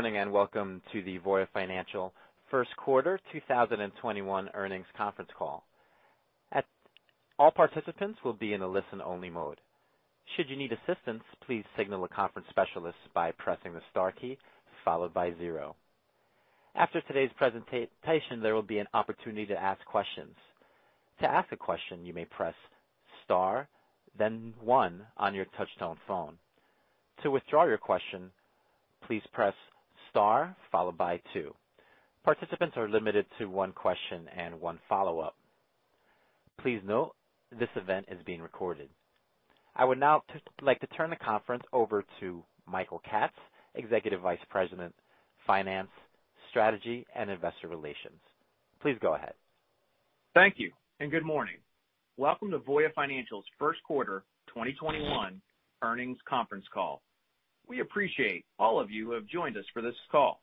Good morning, welcome to the Voya Financial first quarter 2021 earnings conference call. All participants will be in a listen-only mode. Should you need assistance, please signal a conference specialist by pressing the star key followed by zero. After today's presentation, there will be an opportunity to ask questions. To ask a question, you may press star, one on your touch-tone phone. To withdraw your question, please press star followed by two. Participants are limited to one question and one follow-up. Please note this event is being recorded. I would now like to turn the conference over to Michael Katz, Executive Vice President, Finance, Strategy, and Investor Relations. Please go ahead. Thank you, good morning. Welcome to Voya Financial's first quarter 2021 earnings conference call. We appreciate all of you who have joined us for this call.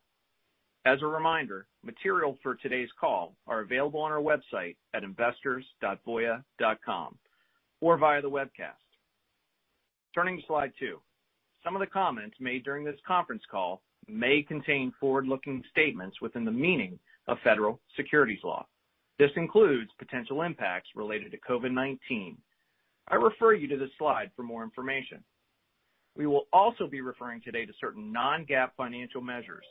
As a reminder, material for today's call are available on our website at investors.voya.com or via the webcast. Turning to slide two. Some of the comments made during this conference call may contain forward-looking statements within the meaning of federal securities law. This includes potential impacts related to COVID-19. I refer you to this slide for more information. We will also be referring today to certain non-GAAP financial measures.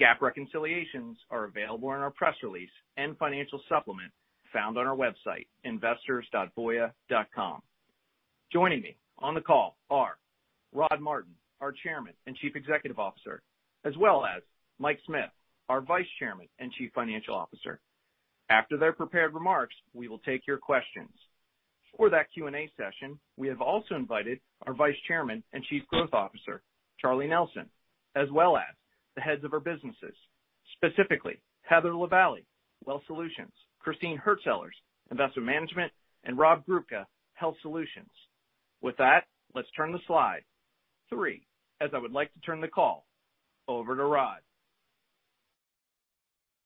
GAAP reconciliations are available in our press release and financial supplement found on our website, investors.voya.com. Joining me on the call are Rod Martin, our Chairman and Chief Executive Officer, as well as Mike Smith, our Vice Chairman and Chief Financial Officer. After their prepared remarks, we will take your questions. For that Q&A session, we have also invited our Vice Chairman and Chief Growth Officer, Charlie Nelson, as well as the heads of our businesses, specifically Heather Lavallee, Wealth Solutions, Christine Hurtsellers, Investment Management, and Rob Grubka, Health Solutions. With that, let's turn to slide three, as I would like to turn the call over to Rod.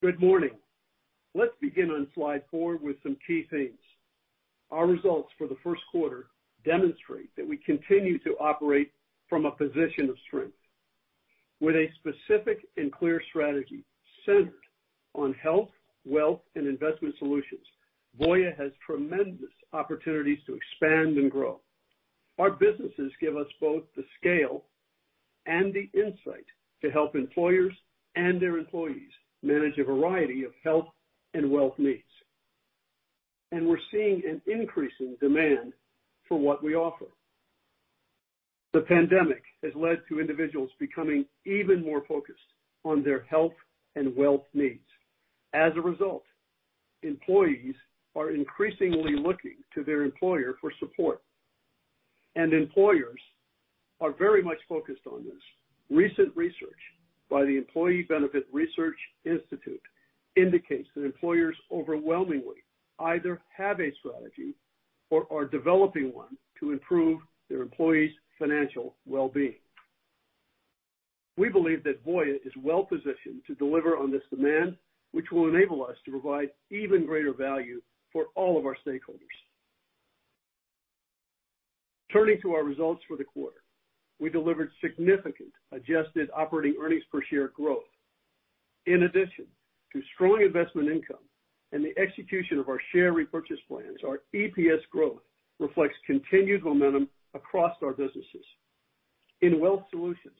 Good morning. Let's begin on slide four with some key themes. Our results for the first quarter demonstrate that we continue to operate from a position of strength. With a specific and clear strategy centered on health, wealth, and investment solutions, Voya has tremendous opportunities to expand and grow. Our businesses give us both the scale and the insight to help employers and their employees manage a variety of health and wealth needs, and we're seeing an increase in demand for what we offer. The pandemic has led to individuals becoming even more focused on their health and wealth needs. As a result, employees are increasingly looking to their employer for support, and employers are very much focused on this. Recent research by the Employee Benefit Research Institute indicates that employers overwhelmingly either have a strategy or are developing one to improve their employees' financial well-being. We believe that Voya is well-positioned to deliver on this demand, which will enable us to provide even greater value for all of our stakeholders. Turning to our results for the quarter, we delivered significant adjusted operating earnings per share growth. In addition to strong investment income and the execution of our share repurchase plans, our EPS growth reflects continued momentum across our businesses. In Wealth Solutions,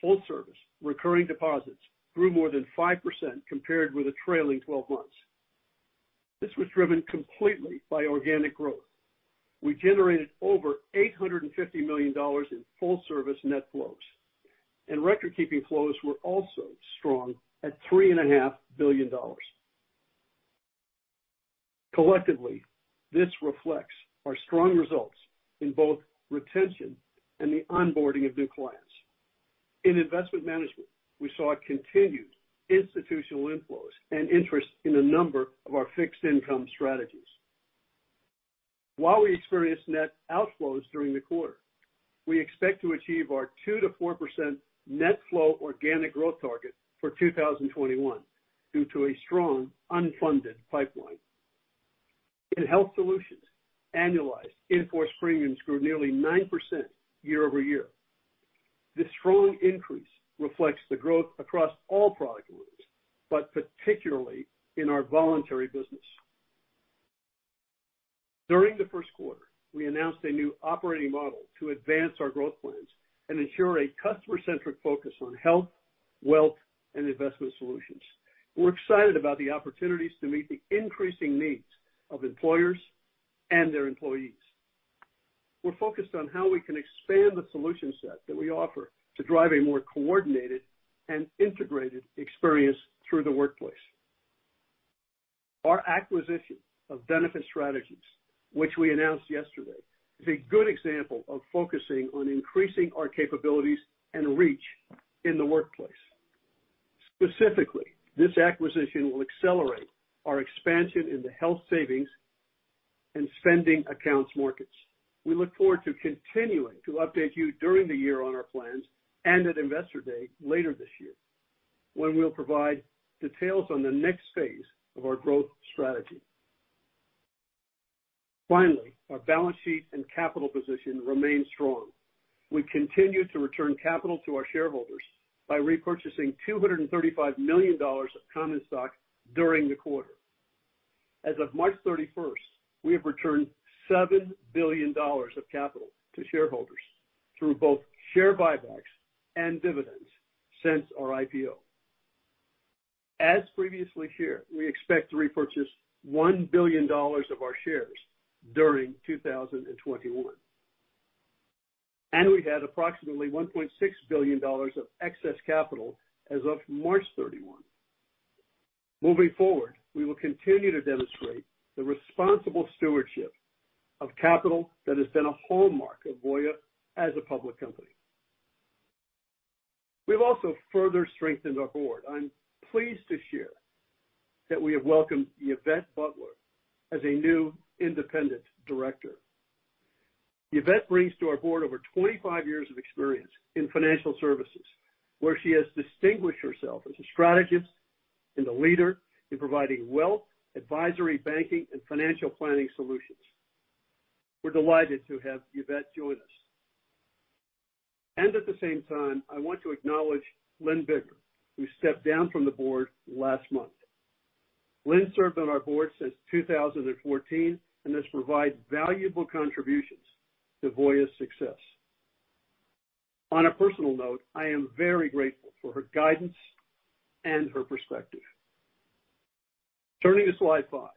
full-service recurring deposits grew more than 5% compared with the trailing 12 months. This was driven completely by organic growth. We generated over $850 million in full-service net flows, and recordkeeping flows were also strong at $3.5 billion. Collectively, this reflects our strong results in both retention and the onboarding of new clients. In Investment Management, we saw continued institutional inflows and interest in a number of our fixed income strategies. While we experienced net outflows during the quarter, we expect to achieve our 2%-4% net flow organic growth target for 2021 due to a strong unfunded pipeline. In Health Solutions, annualized in-force premiums grew nearly 9% year-over-year. This strong increase reflects the growth across all product lines, but particularly in our voluntary business. During the first quarter, we announced a new operating model to advance our growth plans and ensure a customer-centric focus on health, wealth, and investment solutions. We're excited about the opportunities to meet the increasing needs of employers and their employees. We're focused on how we can expand the solution set that we offer to drive a more coordinated and integrated experience through the workplace. Our acquisition of Benefit Strategies, which we announced yesterday, is a good example of focusing on increasing our capabilities and reach in the workplace. Specifically, this acquisition will accelerate our expansion in the health savings and spending accounts markets. We look forward to continuing to update you during the year on our plans and at Investor Day later this year, when we'll provide details on the next phase of our growth strategy. Finally, our balance sheet and capital position remains strong. We continue to return capital to our shareholders by repurchasing $235 million of common stock during the quarter. As of March 31, we have returned $7 billion of capital to shareholders through both share buybacks and dividends since our IPO. We expect to repurchase $1 billion of our shares during 2021. We had approximately $1.6 billion of excess capital as of March 31. Moving forward, we will continue to demonstrate the responsible stewardship of capital that has been a hallmark of Voya as a public company. We've also further strengthened our board. I'm pleased to share that we have welcomed Yvette Butler as a new independent director. Yvette brings to our board over 25 years of experience in financial services, where she has distinguished herself as a strategist and a leader in providing wealth, advisory, banking, and financial planning solutions. We're delighted to have Yvette join us. At the same time, I want to acknowledge Lynne Biggar, who stepped down from the board last month. Lynne served on our board since 2014 and has provided valuable contributions to Voya's success. On a personal note, I am very grateful for her guidance and her perspective. Turning to slide five.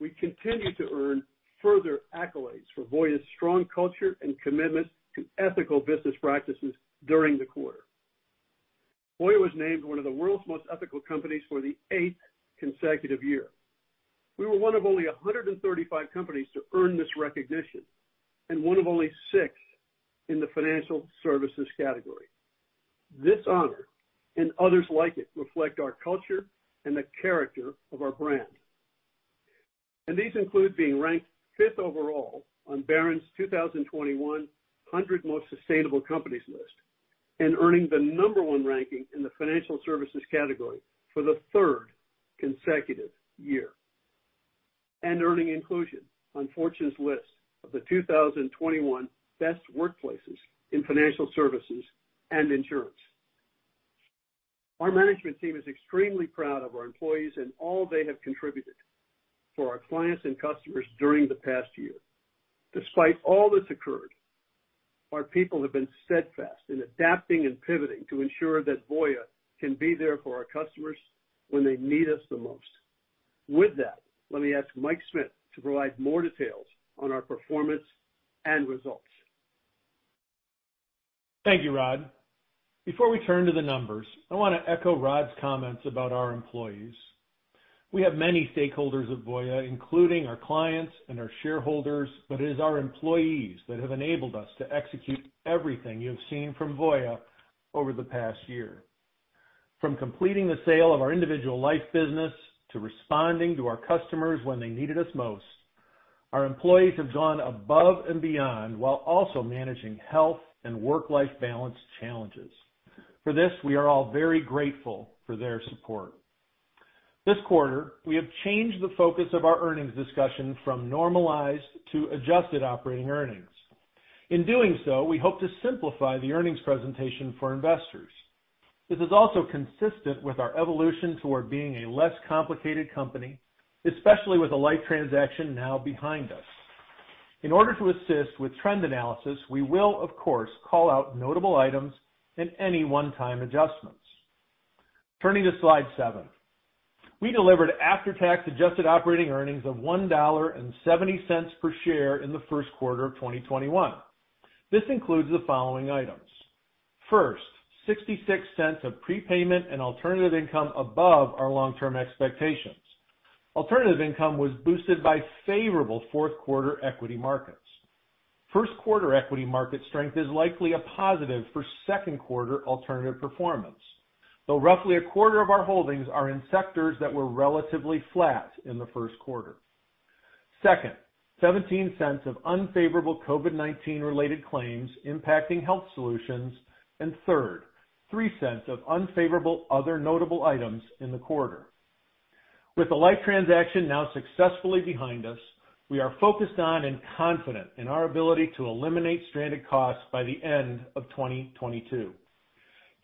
We continue to earn further accolades for Voya's strong culture and commitment to ethical business practices during the quarter. Voya was named one of the world's most ethical companies for the eighth consecutive year. We were one of only 135 companies to earn this recognition and one of only six in the financial services category. This honor and others like it reflect our culture and the character of our brand. These include being ranked fifth overall on Barron's 2021 100 Most Sustainable Companies List and earning the number one ranking in the financial services category for the third consecutive year, earning inclusion on Fortune's list of the 2021 Best Workplaces in Financial Services and Insurance. Our management team is extremely proud of our employees and all they have contributed for our clients and customers during the past year. Despite all that's occurred, our people have been steadfast in adapting and pivoting to ensure that Voya can be there for our customers when they need us the most. With that, let me ask Mike Smith to provide more details on our performance and results. Thank you, Rod. Before we turn to the numbers, I want to echo Rod's comments about our employees. We have many stakeholders of Voya, including our clients and our shareholders, but it is our employees that have enabled us to execute everything you have seen from Voya over the past year. From completing the sale of our individual life business to responding to our customers when they needed us most, our employees have gone above and beyond while also managing health and work-life balance challenges. For this, we are all very grateful for their support. This quarter, we have changed the focus of our earnings discussion from normalized to adjusted operating earnings. In doing so, we hope to simplify the earnings presentation for investors. This is also consistent with our evolution toward being a less complicated company, especially with the life transaction now behind us. In order to assist with trend analysis, we will, of course, call out notable items and any one-time adjustments. Turning to slide seven. We delivered after-tax adjusted operating earnings of $1.70 per share in the first quarter of 2021. This includes the following items. First, $0.66 of prepayment and alternative income above our long-term expectations. Alternative income was boosted by favorable fourth quarter equity markets. First quarter equity market strength is likely a positive for second quarter alternative performance, though roughly a quarter of our holdings are in sectors that were relatively flat in the first quarter. Second, $0.17 of unfavorable COVID-19 related claims impacting Health Solutions. Third, $0.03 of unfavorable other notable items in the quarter. With the life transaction now successfully behind us, we are focused on and confident in our ability to eliminate stranded costs by the end of 2022.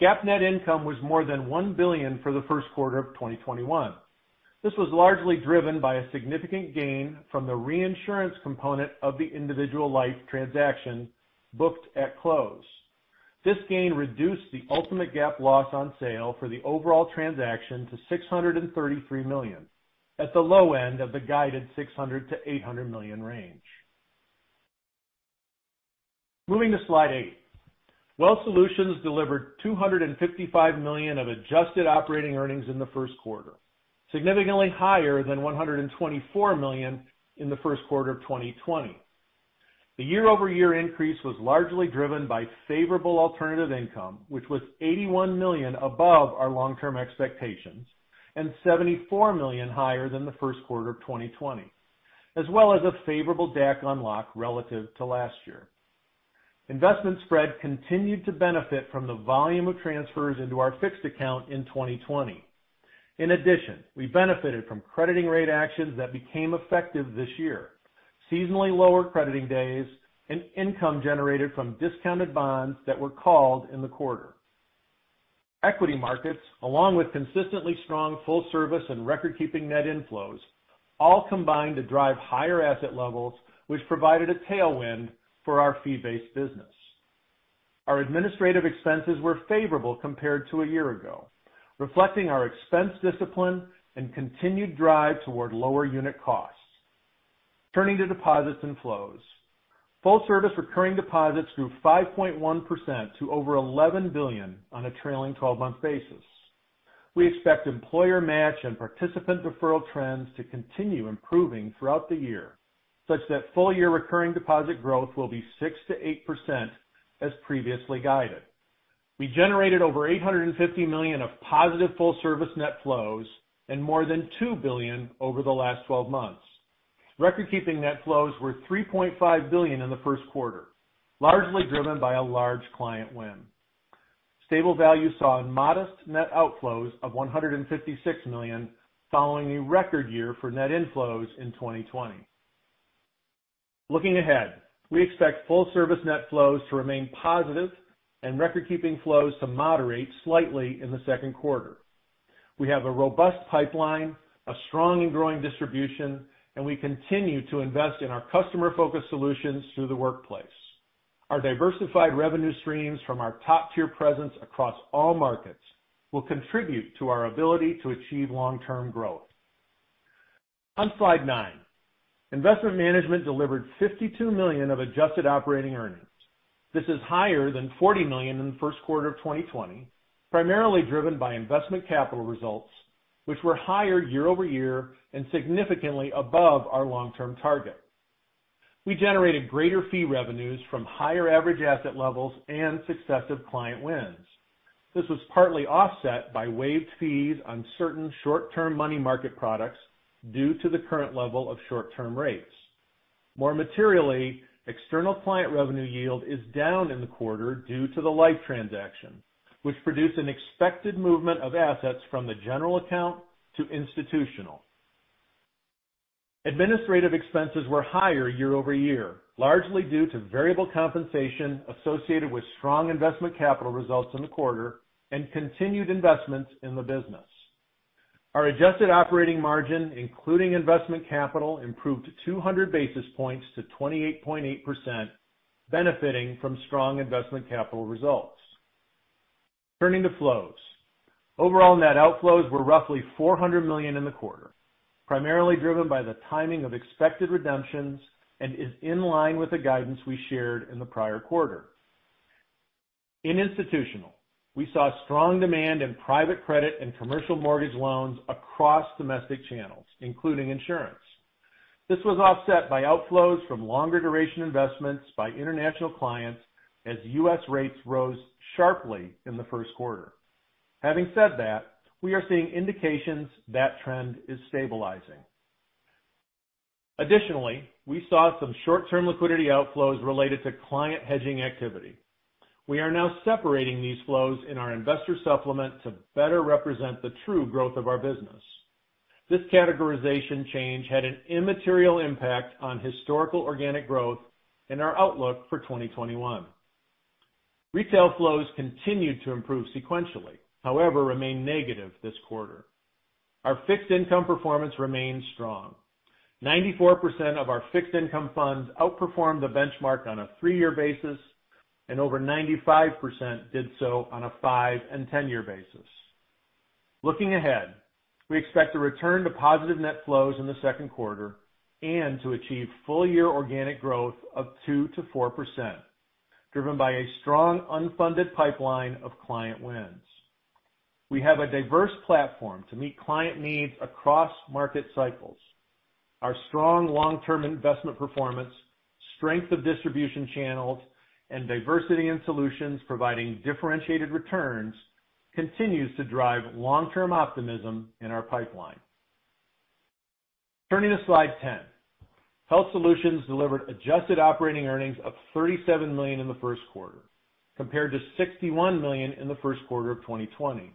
GAAP net income was more than $1 billion for the first quarter of 2021. This was largely driven by a significant gain from the reinsurance component of the individual Life transaction booked at close. This gain reduced the ultimate GAAP loss on sale for the overall transaction to $633 million, at the low end of the guided $600 million-$800 million range. Moving to slide eight. Wealth Solutions delivered $255 million of adjusted operating earnings in the first quarter, significantly higher than $124 million in the first quarter of 2020. The year-over-year increase was largely driven by favorable alternative income, which was $81 million above our long-term expectations and $74 million higher than the first quarter of 2020, as well as a favorable DAC unlock relative to last year. Investment spread continued to benefit from the volume of transfers into our fixed account in 2020. In addition, we benefited from crediting rate actions that became effective this year, seasonally lower crediting days, and income generated from discounted bonds that were called in the quarter. Equity markets, along with consistently strong full service and recordkeeping net inflows, all combined to drive higher asset levels, which provided a tailwind for our fee-based business. Our administrative expenses were favorable compared to a year ago, reflecting our expense discipline and continued drive toward lower unit costs. Turning to deposits and flows. Full service recurring deposits grew 5.1% to over $11 billion on a trailing 12-month basis. We expect employer match and participant referral trends to continue improving throughout the year, such that full-year recurring deposit growth will be 6%-8% as previously guided. We generated over $850 million of positive full-service net flows and more than $2 billion over the last 12 months. Recordkeeping net flows were $3.5 billion in the first quarter, largely driven by a large client win. Stable value saw modest net outflows of $156 million following a record year for net inflows in 2020. Looking ahead, we expect full service net flows to remain positive and recordkeeping flows to moderate slightly in the second quarter. We have a robust pipeline, a strong and growing distribution, and we continue to invest in our customer-focused solutions through the workplace. Our diversified revenue streams from our top-tier presence across all markets will contribute to our ability to achieve long-term growth. On slide nine, Investment Management delivered $52 million of adjusted operating earnings. This is higher than $40 million in the first quarter of 2020, primarily driven by investment capital results, which were higher year-over-year and significantly above our long-term target. We generated greater fee revenues from higher average asset levels and successive client wins. This was partly offset by waived fees on certain short-term money market products due to the current level of short-term rates. More materially, external client revenue yield is down in the quarter due to the life transaction, which produced an expected movement of assets from the general account to institutional. Administrative expenses were higher year-over-year, largely due to variable compensation associated with strong investment capital results in the quarter and continued investments in the business. Our adjusted operating margin, including investment capital, improved 200 basis points to 28.8%, benefiting from strong investment capital results. Turning to flows. Overall net outflows were roughly $400 million in the quarter, primarily driven by the timing of expected redemptions and is in line with the guidance we shared in the prior quarter. In institutional, we saw strong demand in private credit and commercial mortgage loans across domestic channels, including insurance. This was offset by outflows from longer duration investments by international clients as U.S. rates rose sharply in the first quarter. Having said that, we are seeing indications that trend is stabilizing. Additionally, we saw some short-term liquidity outflows related to client hedging activity. We are now separating these flows in our investor supplement to better represent the true growth of our business. This categorization change had an immaterial impact on historical organic growth and our outlook for 2021. Retail flows continued to improve sequentially, however remained negative this quarter. Our fixed income performance remained strong. 94% of our fixed income funds outperformed the benchmark on a three-year basis, and over 95% did so on a five and 10-year basis. Looking ahead, we expect to return to positive net flows in the second quarter and to achieve full-year organic growth of 2% to 4%, driven by a strong unfunded pipeline of client wins. We have a diverse platform to meet client needs across market cycles. Our strong long-term investment performance, strength of distribution channels, and diversity in solutions providing differentiated returns continues to drive long-term optimism in our pipeline. Turning to slide 10. Health Solutions delivered adjusted operating earnings of $37 million in the first quarter, compared to $61 million in the first quarter of 2020.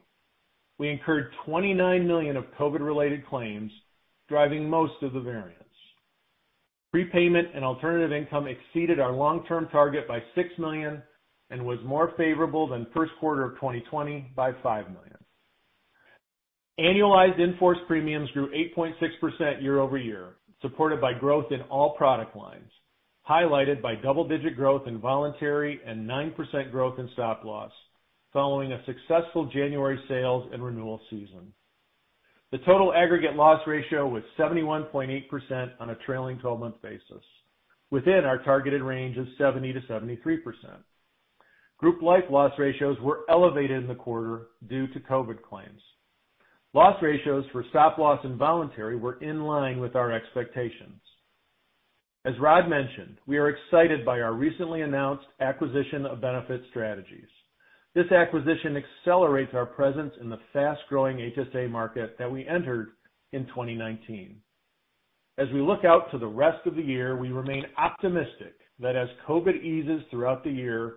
We incurred $29 million of COVID-related claims, driving most of the variance. Prepayment and alternative income exceeded our long-term target by $6 million and was more favorable than first quarter of 2020 by $5 million. Annualized in-force premiums grew 8.6% year-over-year, supported by growth in all product lines, highlighted by double-digit growth in voluntary and 9% growth in stop-loss following a successful January sales and renewal season. The total aggregate loss ratio was 71.8% on a trailing 12-month basis, within our targeted range of 70% to 73%. Group life loss ratios were elevated in the quarter due to COVID claims. Loss ratios for stop-loss and voluntary were in line with our expectations. As Rod mentioned, we are excited by our recently announced acquisition of Benefit Strategies. This acquisition accelerates our presence in the fast-growing HSA market that we entered in 2019. As we look out to the rest of the year, we remain optimistic that as COVID eases throughout the year,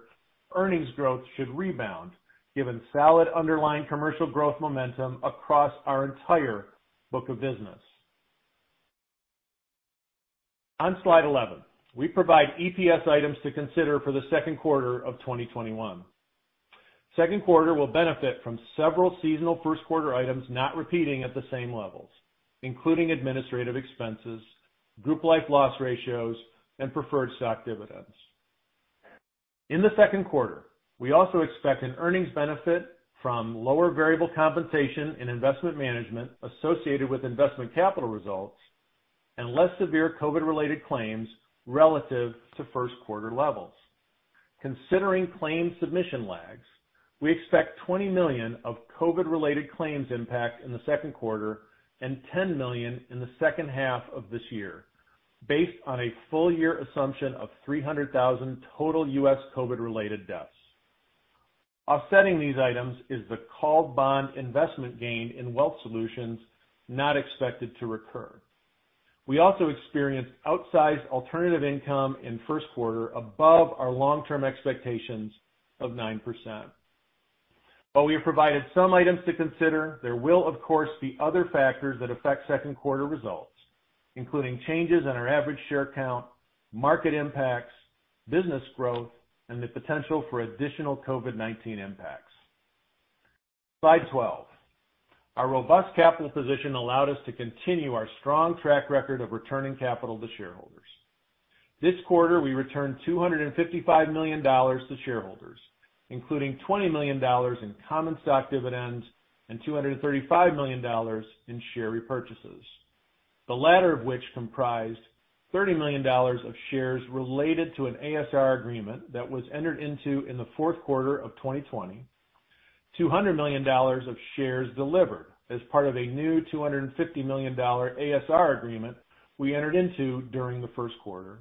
earnings growth should rebound given solid underlying commercial growth momentum across our entire book of business. On slide 11, we provide EPS items to consider for the second quarter of 2021. Second quarter will benefit from several seasonal first quarter items not repeating at the same levels, including administrative expenses, group life loss ratios, and preferred stock dividends. In the second quarter, we also expect an earnings benefit from lower variable compensation in investment management associated with investment capital results and less severe COVID-related claims relative to first quarter levels. Considering claims submission lags, we expect $20 million of COVID-related claims impact in the second quarter and $10 million in the second half of this year, based on a full year assumption of 300,000 total U.S. COVID-related deaths. Offsetting these items is the called bond investment gain in Wealth Solutions not expected to recur. We also experienced outsized alternative income in first quarter above our long-term expectations of 9%. While we have provided some items to consider, there will, of course, be other factors that affect second quarter results, including changes in our average share count, market impacts, business growth, and the potential for additional COVID-19 impacts. Slide 12. Our robust capital position allowed us to continue our strong track record of returning capital to shareholders. This quarter, we returned $255 million to shareholders, including $20 million in common stock dividends and $235 million in share repurchases. The latter of which comprised $30 million of shares related to an ASR agreement that was entered into in the fourth quarter of 2020, $200 million of shares delivered as part of a new $250 million ASR agreement we entered into during the first quarter,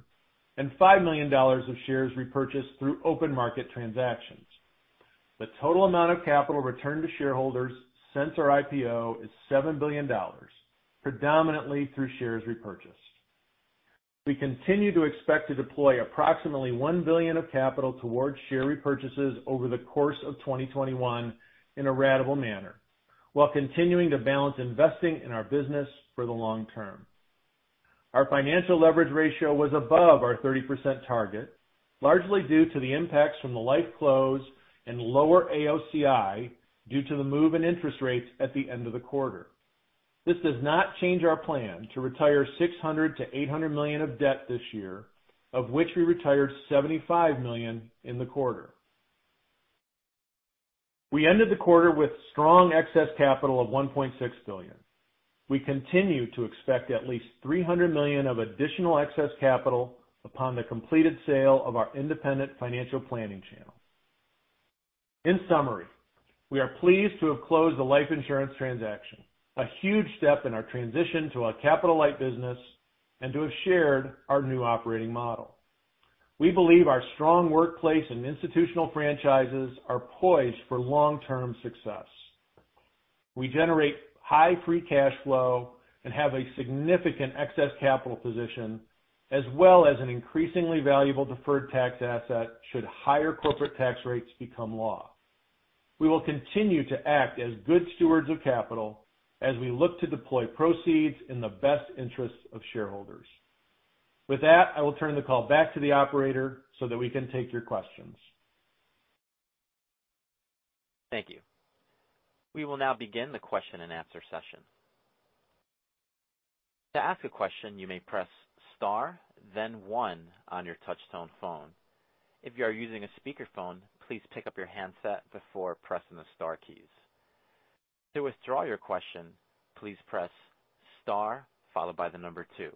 and $5 million of shares repurchased through open market transactions. The total amount of capital returned to shareholders since our IPO is $7 billion, predominantly through shares repurchased. We continue to expect to deploy approximately $1 billion of capital towards share repurchases over the course of 2021 in a ratable manner, while continuing to balance investing in our business for the long term. Our financial leverage ratio was above our 30% target, largely due to the impacts from the life close and lower AOCI due to the move in interest rates at the end of the quarter. This does not change our plan to retire $600 million-$800 million of debt this year, of which we retired $75 million in the quarter. We ended the quarter with strong excess capital of $1.6 billion. We continue to expect at least $300 million of additional excess capital upon the completed sale of our independent financial planning channel. In summary, we are pleased to have closed the life insurance transaction, a huge step in our transition to a capital-light business, and to have shared our new operating model. We believe our strong workplace and institutional franchises are poised for long-term success. We generate high free cash flow and have a significant excess capital position, as well as an increasingly valuable deferred tax asset should higher corporate tax rates become law. We will continue to act as good stewards of capital as we look to deploy proceeds in the best interests of shareholders. With that, I will turn the call back to the operator so that we can take your questions. Thank you. We will now begin the question and answer session. To ask a question, you may press star then one on your touchtone phone. If you are using a speakerphone, please pick up your handset before pressing the star keys. To withdraw your question, please press star followed by the number two.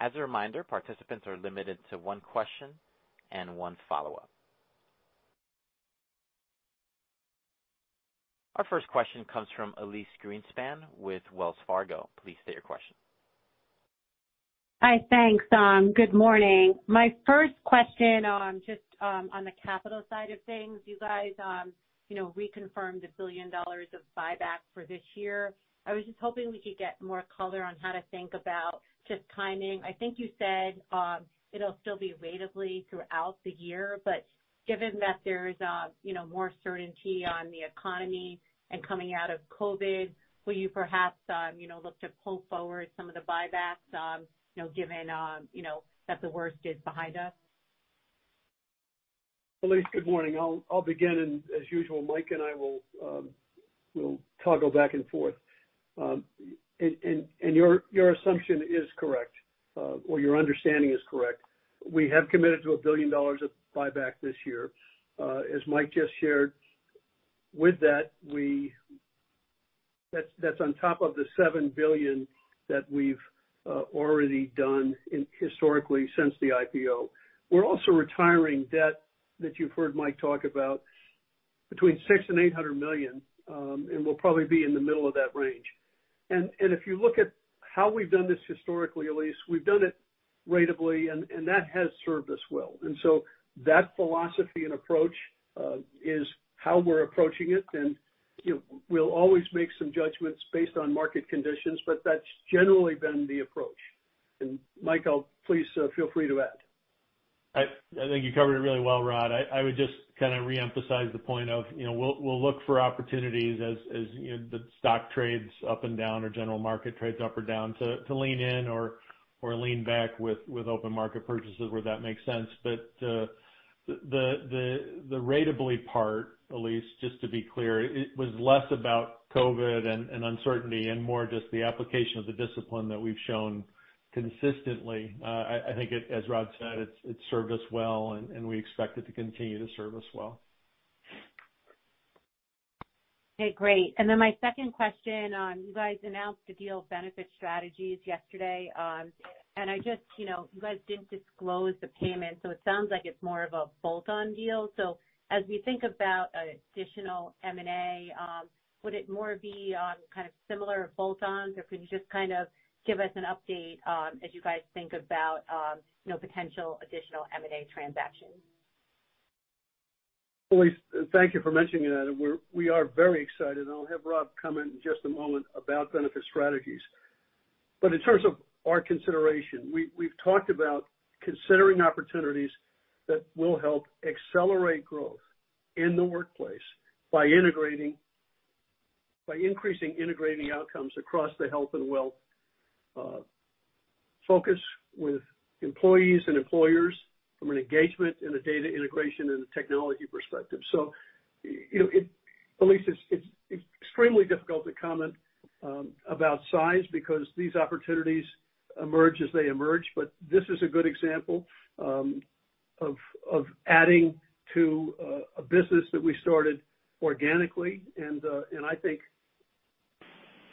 As a reminder, participants are limited to one question and one follow-up. Our first question comes from Elyse Greenspan with Wells Fargo. Please state your question. Hi, thanks. Good morning. My first question, just on the capital side of things. You guys reconfirmed $1 billion of buyback for this year. I was just hoping we could get more color on how to think about just timing. I think you said it'll still be ratably throughout the year, but given that there's more certainty on the economy and coming out of COVID, will you perhaps look to pull forward some of the buybacks given that the worst is behind us? Elyse, good morning. I'll begin. As usual, Mike and I will toggle back and forth. Your assumption is correct, or your understanding is correct. We have committed to $1 billion of buyback this year. As Mike just shared, that's on top of the $7 billion that we've already done historically since the IPO. We're also retiring debt that you've heard Mike talk about, between $600 million and $800 million, and we'll probably be in the middle of that range. If you look at how we've done this historically, Elyse, we've done it Ratably, that has served us well. That philosophy and approach is how we're approaching it. We'll always make some judgments based on market conditions, but that's generally been the approach. Mike, please feel free to add. I think you covered it really well, Rod. I would just reemphasize the point of, we'll look for opportunities as the stock trades up and down, or general market trades up or down, to lean in or lean back with open market purchases where that makes sense. The ratably part, Elyse, just to be clear, it was less about COVID and uncertainty and more just the application of the discipline that we've shown consistently. I think, as Rod said, it's served us well, we expect it to continue to serve us well. Okay, great. My second question. You guys announced the deal Benefit Strategies yesterday. You guys didn't disclose the payment, so it sounds like it's more of a bolt-on deal. As we think about additional M&A, would it more be on kind of similar bolt-ons, or could you just kind of give us an update as you guys think about potential additional M&A transactions? Elyse, thank you for mentioning that. We are very excited, and I'll have Rob comment in just a moment about Benefit Strategies. In terms of our consideration, we've talked about considering opportunities that will help accelerate growth in the workplace by increasing integrating outcomes across the health and wealth focus with employees and employers from an engagement and a data integration and a technology perspective. Elyse, it's extremely difficult to comment about size because these opportunities emerge as they emerge, but this is a good example of adding to a business that we started organically, and I think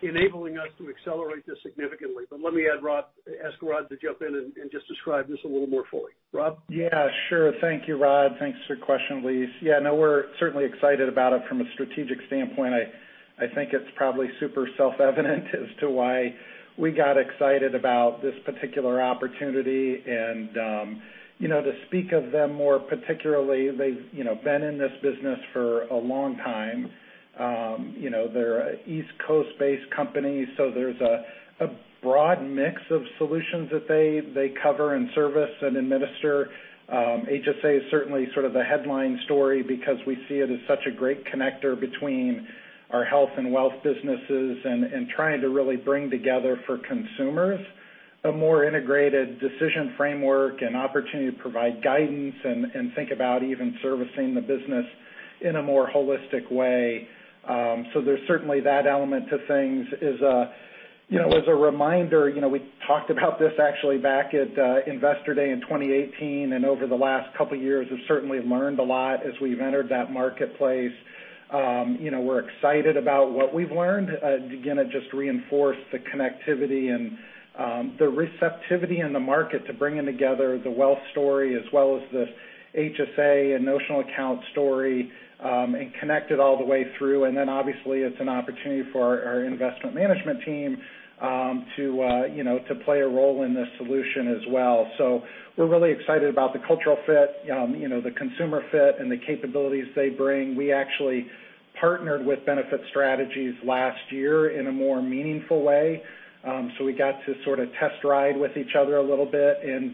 enabling us to accelerate this significantly. Let me ask Rod to jump in and just describe this a little more fully. Rob? Yeah, sure. Thank you, Rod. Thanks for the question, Elyse. Yeah, no, we're certainly excited about it from a strategic standpoint. I think it's probably super self-evident as to why we got excited about this particular opportunity. To speak of them more particularly, they've been in this business for a long time. They're an East Coast-based company, so there's a broad mix of solutions that they cover and service and administer. HSA is certainly sort of the headline story because we see it as such a great connector between our health and wealth businesses and trying to really bring together for consumers a more integrated decision framework and opportunity to provide guidance and think about even servicing the business in a more holistic way. There's certainly that element to things. As a reminder, we talked about this actually back at Investor Day in 2018. Over the last couple of years have certainly learned a lot as we've entered that marketplace. We're excited about what we've learned. Again, it just reinforced the connectivity and the receptivity in the market to bringing together the wealth story as well as the HSA and notional account story, and connect it all the way through. Obviously, it's an opportunity for our investment management team to play a role in this solution as well. We're really excited about the cultural fit, the consumer fit, and the capabilities they bring. We actually partnered with Benefit Strategies last year in a more meaningful way. We got to sort of test ride with each other a little bit and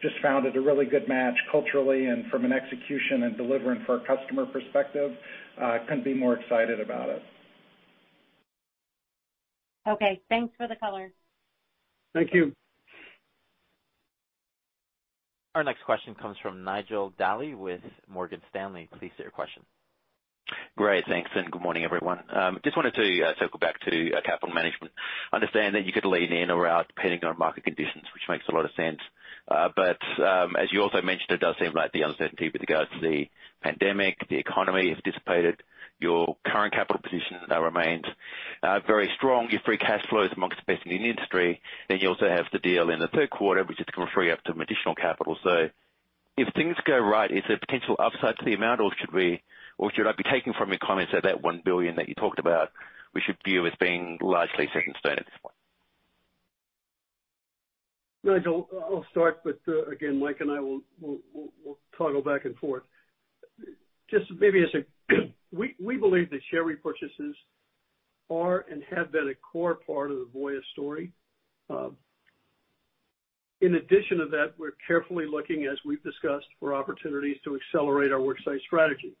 just found it a really good match culturally and from an execution and delivering for a customer perspective. Couldn't be more excited about it. Okay. Thanks for the color. Thank you. Our next question comes from Nigel D'Souza with Morgan Stanley. Please state your question. Great. Thanks, and good morning, everyone. Just wanted to circle back to capital management. Understand that you could lean in or out depending on market conditions, which makes a lot of sense. As you also mentioned, it does seem like the uncertainty with regards to the pandemic, the economy has dissipated. Your current capital position remains very strong. Your free cash flow is amongst the best in the industry, and you also have the deal in the third quarter, which is going to free up some additional capital. If things go right, is there potential upside to the amount, or should I be taking from your comments that that $1 billion that you talked about, we should view as being largely set in stone at this point? Nigel, I'll start. Again, Mike and I, we'll toggle back and forth. We believe that share repurchases are and have been a core part of the Voya story. In addition to that, we're carefully looking, as we've discussed, for opportunities to accelerate our worksite strategy.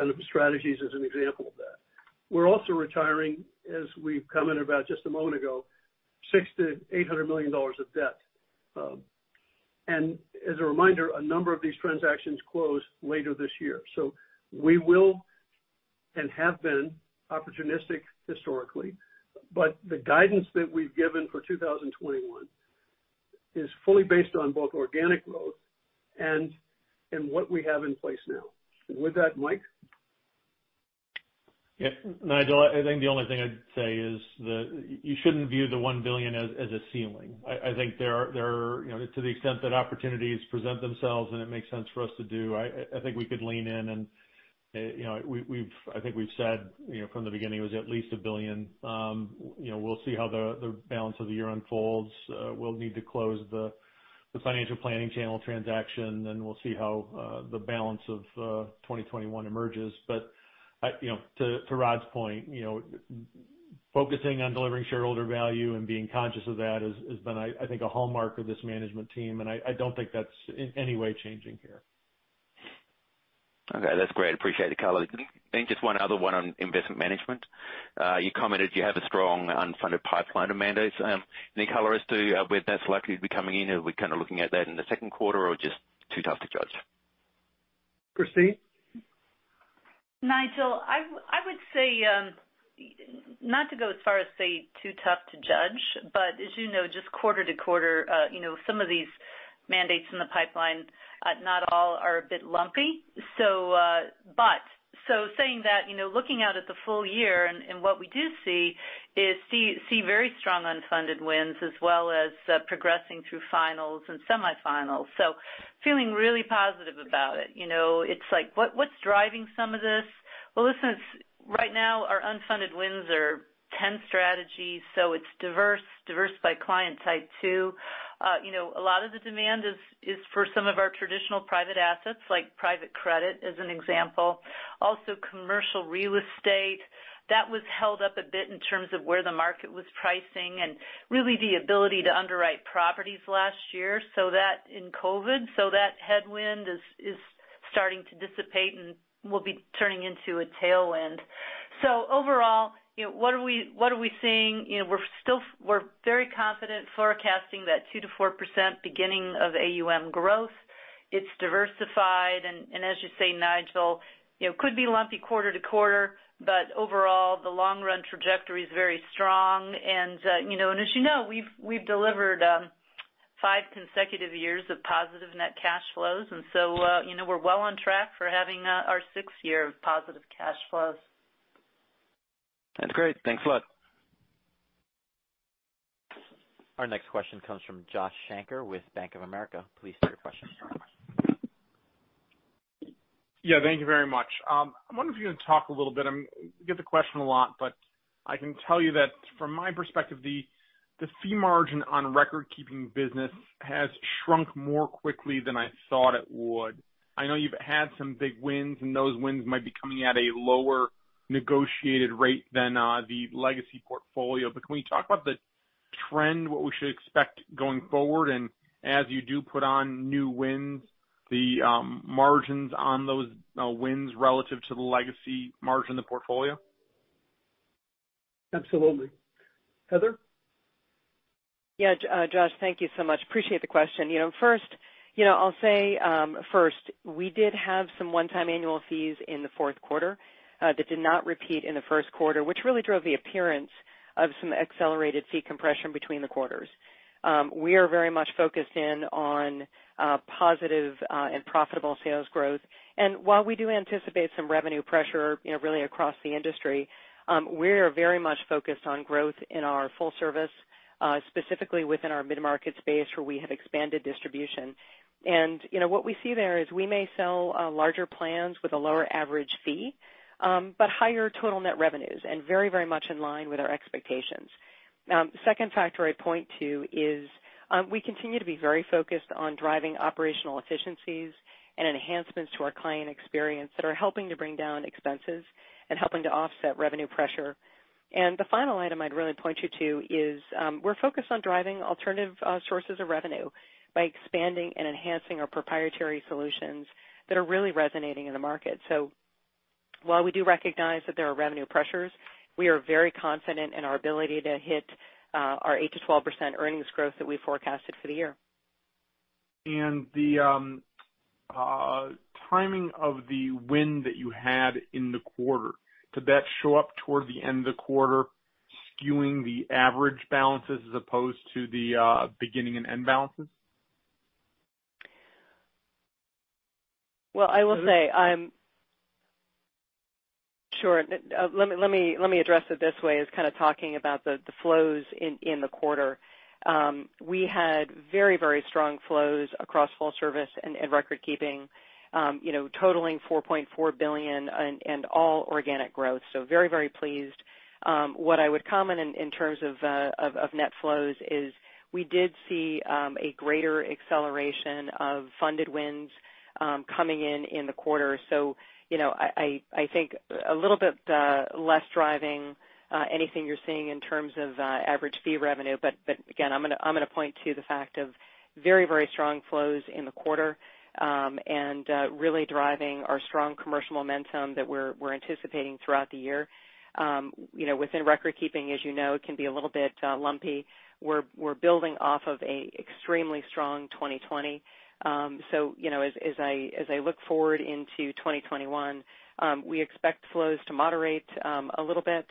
Benefit Strategies is an example of that. We're also retiring, as we've commented about just a moment ago, $600 million to $800 million of debt. As a reminder, a number of these transactions close later this year. We will, and have been, opportunistic historically. The guidance that we've given for 2021 is fully based on both organic growth and what we have in place now. With that, Mike? Nigel, I think the only thing I'd say is that you shouldn't view the $1 billion as a ceiling. I think to the extent that opportunities present themselves and it makes sense for us to do, I think we could lean in and I think we've said from the beginning it was at least $1 billion. We'll see how the balance of the year unfolds. We'll need to close the financial planning channel transaction. We'll see how the balance of 2021 emerges. To Rod's point, focusing on delivering shareholder value and being conscious of that has been, I think, a hallmark of this management team, and I don't think that's in any way changing here. Okay. That's great. Appreciate the color. Just one other one on Investment Management. You commented you have a strong unfunded pipeline of mandates. Any color as to whether that's likely to be coming in? Are we kind of looking at that in the second quarter, or just too tough to judge? Christine? Nigel, I would say, not to go as far as say too tough to judge, as you know, just quarter to quarter, some of these mandates in the pipeline, not all are a bit lumpy. Saying that, looking out at the full year and what we do see is see very strong unfunded wins as well as progressing through finals and semifinals. Feeling really positive about it. It's like, what's driving some of this? Well, listen, right now our unfunded wins are 10 strategies, so it's diverse. Diverse by client type too. A lot of the demand is for some of our traditional private assets, like private credit as an example. Also commercial real estate. That was held up a bit in terms of where the market was pricing and really the ability to underwrite properties last year in COVID. That headwind is starting to dissipate and will be turning into a tailwind. Overall, what are we seeing? We're very confident forecasting that 2%-4% beginning of AUM growth. It's diversified and, as you say, Nigel, could be lumpy quarter to quarter, but overall, the long-run trajectory is very strong. As you know, we've delivered five consecutive years of positive net cash flows. We're well on track for having our sixth year of positive cash flows. That's great. Thanks a lot. Our next question comes from Joshua Shanker with Bank of America. Please state your question. Yeah, thank you very much. I'm wondering if you can talk a little bit, you get the question a lot, but I can tell you that from my perspective, the fee margin on recordkeeping business has shrunk more quickly than I thought it would. I know you've had some big wins, and those wins might be coming at a lower negotiated rate than the legacy portfolio. Can we talk about the trend, what we should expect going forward? As you do put on new wins, the margins on those wins relative to the legacy margin of the portfolio? Absolutely. Heather? Yeah. Josh, thank you so much. Appreciate the question. I'll say first, we did have some one-time annual fees in the fourth quarter that did not repeat in the first quarter, which really drove the appearance of some accelerated fee compression between the quarters. We are very much focused in on positive and profitable sales growth. While we do anticipate some revenue pressure really across the industry, we're very much focused on growth in our full service, specifically within our mid-market space where we have expanded distribution. What we see there is we may sell larger plans with a lower average fee, but higher total net revenues, and very much in line with our expectations. Second factor I'd point to is we continue to be very focused on driving operational efficiencies and enhancements to our client experience that are helping to bring down expenses and helping to offset revenue pressure. The final item I'd really point you to is we're focused on driving alternative sources of revenue by expanding and enhancing our proprietary solutions that are really resonating in the market. While we do recognize that there are revenue pressures, we are very confident in our ability to hit our 8%-12% earnings growth that we forecasted for the year. The timing of the win that you had in the quarter, did that show up toward the end of the quarter, skewing the average balances as opposed to the beginning and end balances? Well, I will say Sure. Let me address it this way as kind of talking about the flows in the quarter. We had very strong flows across full service and recordkeeping, totaling $4.4 billion and all organic growth. Very pleased. What I would comment in terms of net flows is we did see a greater acceleration of funded wins coming in in the quarter. I think a little bit less driving anything you're seeing in terms of average fee revenue. Again, I'm going to point to the fact of very strong flows in the quarter and really driving our strong commercial momentum that we're anticipating throughout the year. Within recordkeeping, as you know, it can be a little bit lumpy. We're building off of a extremely strong 2020. As I look forward into 2021, we expect flows to moderate a little bit,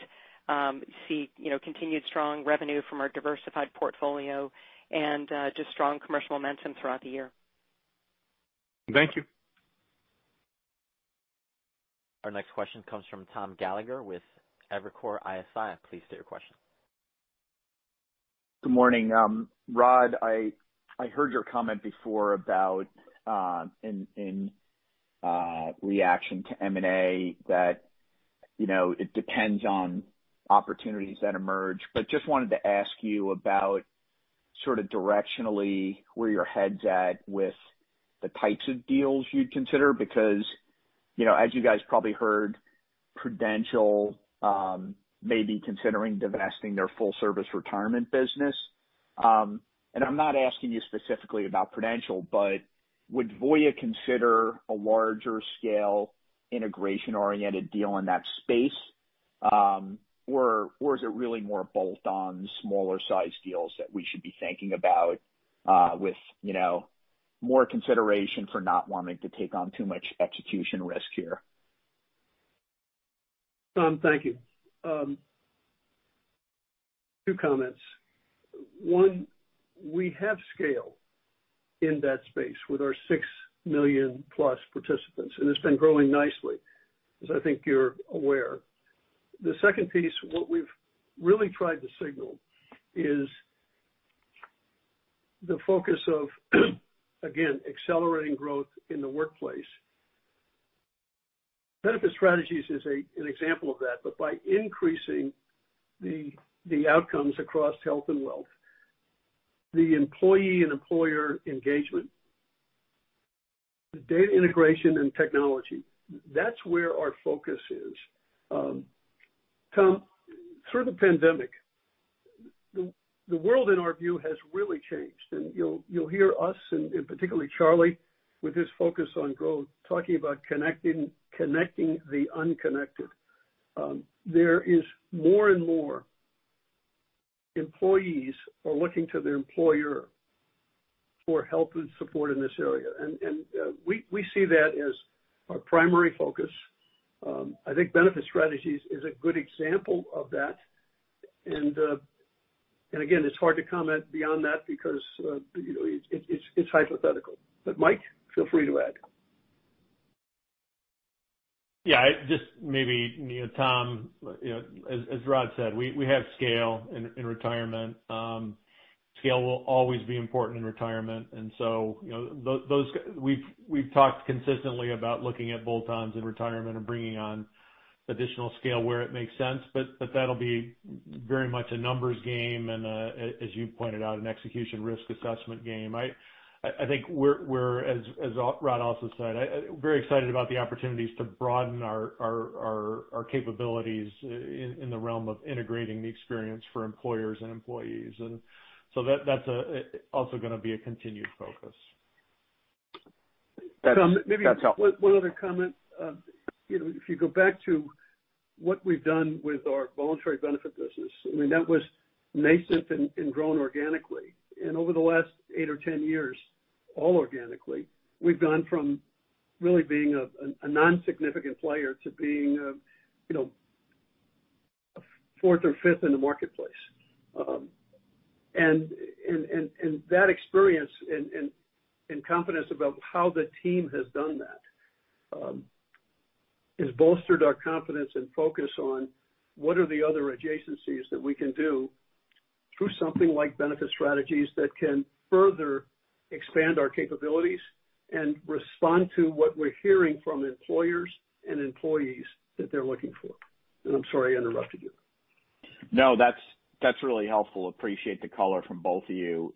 see continued strong revenue from our diversified portfolio and just strong commercial momentum throughout the year. Thank you. Our next question comes from Thomas Gallagher with Evercore ISI. Please state your question. Good morning. Rod, I heard your comment before in reaction to M&A that it depends on opportunities that emerge. Just wanted to ask you about directionally where your head's at with the types of deals you'd consider, because as you guys probably heard, Prudential may be considering divesting their full-service retirement business. I'm not asking you specifically about Prudential, but would Voya consider a larger scale integration-oriented deal in that space? Is it really more bolt-ons, smaller sized deals that we should be thinking about with more consideration for not wanting to take on too much execution risk here? Tom, thank you. Two comments. One, we have scale in that space with our 6 million plus participants, and it's been growing nicely, as I think you're aware. The second piece, what we've really tried to signal is the focus of, again, accelerating growth in the workplace. Benefit Strategies is an example of that. By increasing the outcomes across health and wealth, the employee and employer engagement, data integration and technology, that's where our focus is. Tom, through the pandemic, the world in our view has really changed. You'll hear us and particularly Charlie, with his focus on growth, talking about connecting the unconnected. There is more and more employees are looking to their employer for help and support in this area. We see that as our primary focus. I think Benefit Strategies is a good example of that. It's hard to comment beyond that because it's hypothetical. Mike, feel free to add. Yeah. Just maybe, Tom, as Rod said, we have scale in retirement. Scale will always be important in retirement. So we've talked consistently about looking at bolt-ons in retirement and bringing on additional scale where it makes sense, but that'll be very much a numbers game and as you pointed out, an execution risk assessment game. I think we're, as Rod also said, very excited about the opportunities to broaden our capabilities in the realm of integrating the experience for employers and employees. So that's also going to be a continued focus. That's helpful. Maybe one other comment. If you go back to what we've done with our voluntary benefit business, that was nascent and grown organically. Over the last eight or 10 years, all organically, we've gone from really being a non-significant player to being fourth or fifth in the marketplace. That experience and confidence about how the team has done that has bolstered our confidence and focus on what are the other adjacencies that we can do through something like Benefit Strategies that can further expand our capabilities and respond to what we're hearing from employers and employees that they're looking for. I'm sorry I interrupted you. That's really helpful. Appreciate the color from both of you.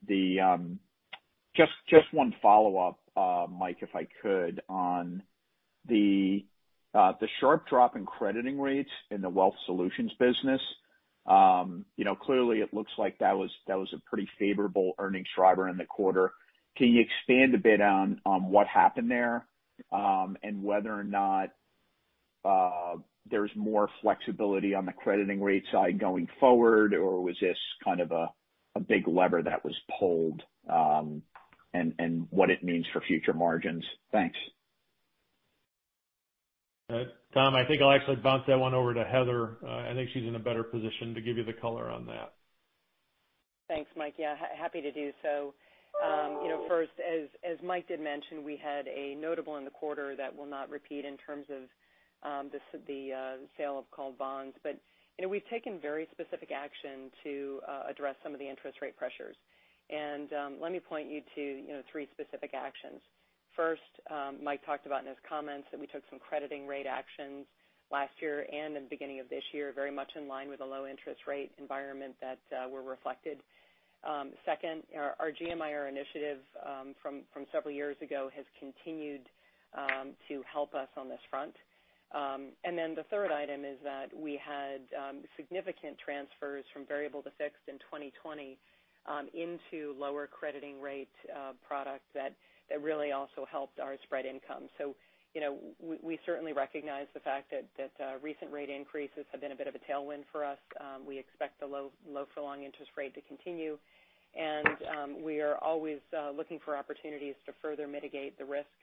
Just one follow-up, Mike, if I could, on the sharp drop in crediting rates in the Wealth Solutions business. Clearly, it looks like that was a pretty favorable earnings driver in the quarter. Can you expand a bit on what happened there? Whether or not there's more flexibility on the crediting rate side going forward, or was this kind of a big lever that was pulled, and what it means for future margins? Thanks. Tom, I think I'll actually bounce that one over to Heather. I think she's in a better position to give you the color on that. Thanks, Mike. Happy to do so. First, as Mike did mention, we had a notable in the quarter that will not repeat in terms of the sale of called bonds. We've taken very specific action to address some of the interest rate pressures. Let me point you to three specific actions. First, Mike talked about in his comments that we took some crediting rate actions last year and in the beginning of this year, very much in line with the low interest rate environment that were reflected. Second, our GMIR initiative from several years ago has continued to help us on this front. The third item is that we had significant transfers from variable to fixed in 2020 into lower crediting rate product that really also helped our spread income. We certainly recognize the fact that recent rate increases have been a bit of a tailwind for us. We expect the low for long interest rate to continue, we are always looking for opportunities to further mitigate the risk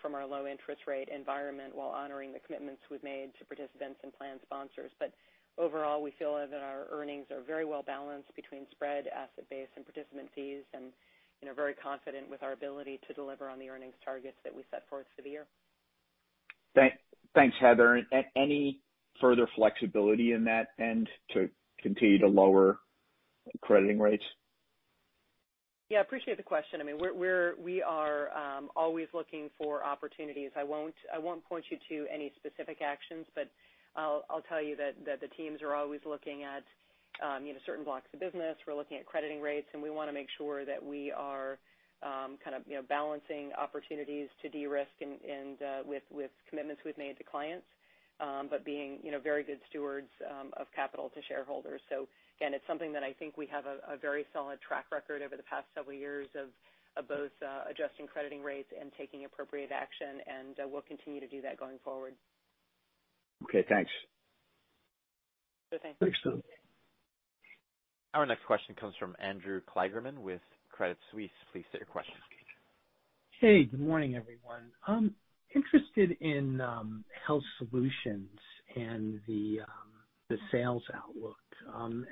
from our low interest rate environment while honoring the commitments we've made to participants and plan sponsors. Overall, we feel that our earnings are very well balanced between spread, asset base, and participant fees, very confident with our ability to deliver on the earnings targets that we set forth for the year. Thanks, Heather. Any further flexibility in that end to continue to lower crediting rates? Yeah, appreciate the question. We are always looking for opportunities. I won't point you to any specific actions, but I'll tell you that the teams are always looking at certain blocks of business. We're looking at crediting rates, and we want to make sure that we are balancing opportunities to de-risk with commitments we've made to clients, but being very good stewards of capital to shareholders. Again, it's something that I think we have a very solid track record over the past several years of both adjusting crediting rates and taking appropriate action, and we'll continue to do that going forward. Okay, thanks. Okay. Thanks. Our next question comes from Andrew Kligerman with Credit Suisse. Please state your question. Hey, good morning, everyone. I'm interested in Health Solutions and the sales outlook.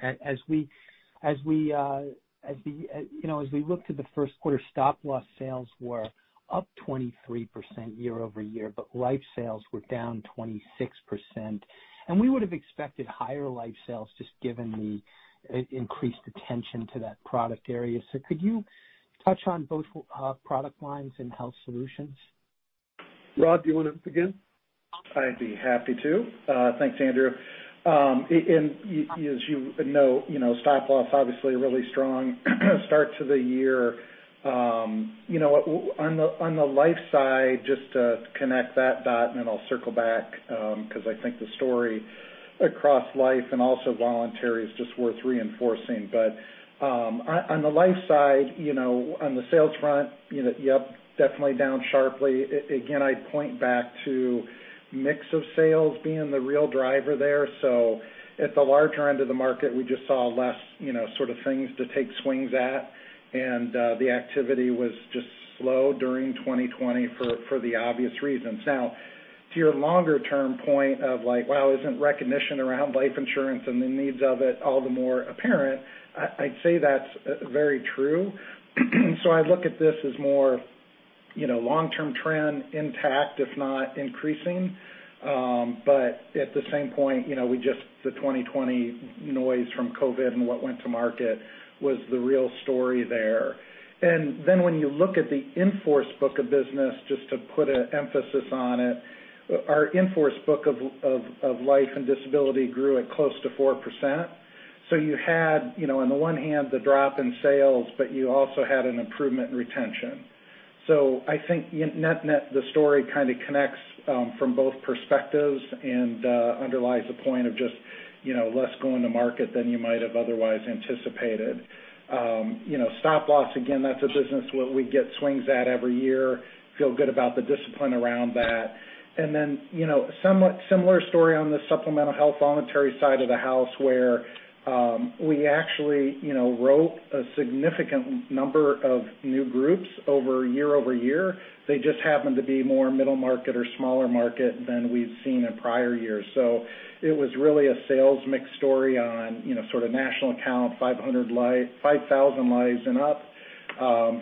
As we look to the first quarter, stop loss sales were up 23% year-over-year, but life sales were down 26%. We would have expected higher life sales, just given the increased attention to that product area. Could you touch on both product lines and Health Solutions? Rod, do you want to begin? I'd be happy to. Thanks, Andrew. As you know, stop loss, obviously, a really strong start to the year. On the life side, just to connect that dot, then I'll circle back because I think the story across life and also voluntary is just worth reinforcing. On the life side, on the sales front, yep, definitely down sharply. Again, I'd point back to mix of sales being the real driver there. At the larger end of the market, we just saw less things to take swings at, the activity was just slow during 2020 for the obvious reasons. To your longer-term point of, wow, isn't recognition around life insurance and the needs of it all the more apparent? I'd say that's very true. I look at this as more long-term trend intact, if not increasing. At the same point, the 2020 noise from COVID and what went to market was the real story there. When you look at the in-force book of business, just to put an emphasis on it, our in-force book of life and disability grew at close to 4%. You had, on the one hand, the drop in sales, but you also had an improvement in retention. I think net-net, the story kind of connects from both perspectives and underlies the point of just less going to market than you might have otherwise anticipated. Stop loss, again, that's a business where we get swings at every year, feel good about the discipline around that. Similar story on the supplemental health voluntary side of the house, where we actually wrote a significant number of new groups year-over-year. They just happened to be more middle market or smaller market than we've seen in prior years. So it was really a sales mix story on national account, 5,000 lives and up,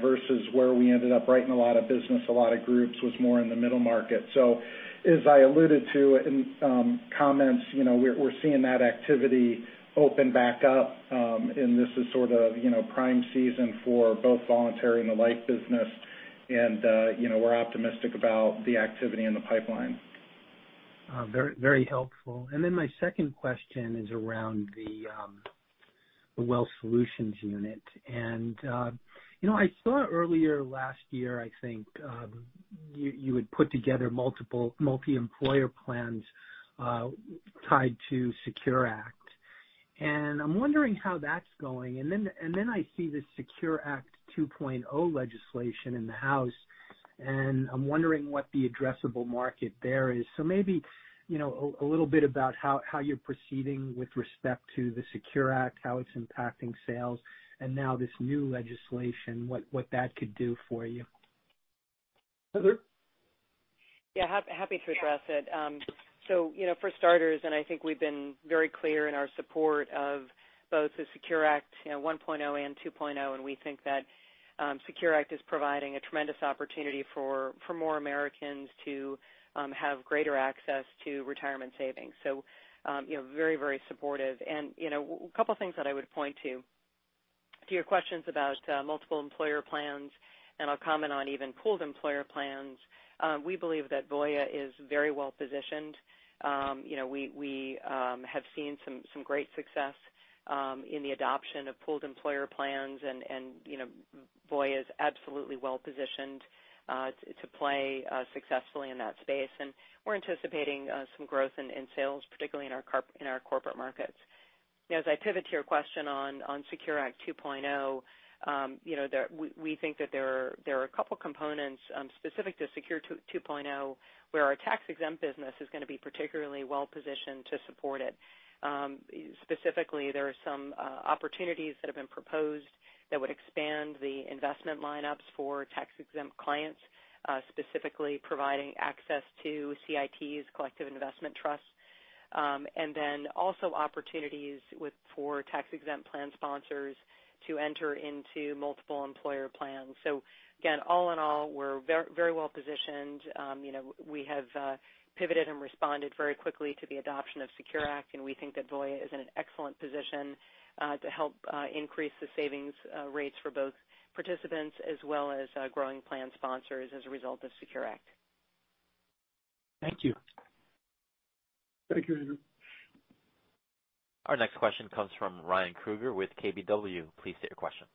versus where we ended up writing a lot of business, a lot of groups was more in the middle market. So as I alluded to in comments, we're seeing that activity open back up. And this is sort of prime season for both voluntary and the life business, and we're optimistic about the activity in the pipeline. Very helpful. And then my second question is around the Wealth Solutions unit. And I saw earlier last year, I think, you had put together multi-employer plans tied to SECURE Act, and I'm wondering how that's going. And then I see the SECURE 2.0 Act legislation in the house, and I'm wondering what the addressable market there is. So maybe a little bit about how you're proceeding with respect to the SECURE Act, how it's impacting sales, and now this new legislation, what that could do for you. Heather? Yeah, happy to address it. For starters, I think we've been very clear in our support of both the SECURE Act 1.0 and 2.0, and we think that SECURE Act is providing a tremendous opportunity for more Americans to have greater access to retirement savings. Very supportive. A couple of things that I would point to your questions about multiple employer plans, and I'll comment on even pooled employer plans. We believe that Voya is very well-positioned. We have seen some great success in the adoption of pooled employer plans, and Voya is absolutely well-positioned to play successfully in that space. We're anticipating some growth in sales, particularly in our corporate markets. As I pivot to your question on SECURE 2.0 Act, we think that there are a couple components specific to SECURE 2.0 where our tax-exempt business is going to be particularly well-positioned to support it. Specifically, there are some opportunities that have been proposed that would expand the investment lineups for tax-exempt clients, specifically providing access to CITs, Collective Investment Trust. Also opportunities for tax-exempt plan sponsors to enter into multiple employer plans. Again, all in all, we're very well positioned. We have pivoted and responded very quickly to the adoption of SECURE Act, and we think that Voya is in an excellent position to help increase the savings rates for both participants as well as growing plan sponsors as a result of SECURE Act. Thank you. Thank you, Andrew. Our next question comes from Ryan Krueger with KBW. Please state your question.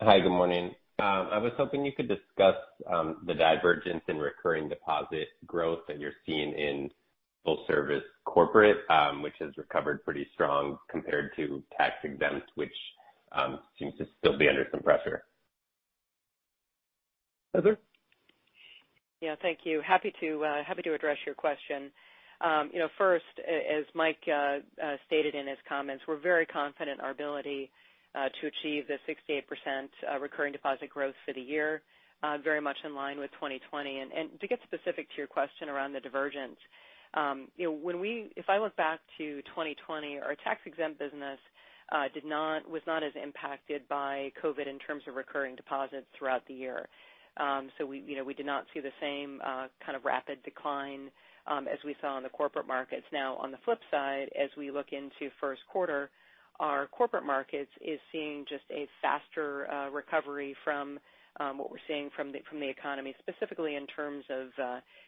Hi, good morning. I was hoping you could discuss the divergence in recurring deposit growth that you're seeing in full service corporate, which has recovered pretty strong compared to tax-exempt, which seems to still be under some pressure. Heather? Yeah. Thank you. Happy to address your question. First, as Mike stated in his comments, we're very confident in our ability to achieve the 68% recurring deposit growth for the year, very much in line with 2020. To get specific to your question around the divergence, if I look back to 2020, our tax-exempt business was not as impacted by COVID in terms of recurring deposits throughout the year. We did not see the same kind of rapid decline as we saw in the corporate markets. On the flip side, as we look into first quarter, our corporate markets is seeing just a faster recovery from what we're seeing from the economy, specifically in terms of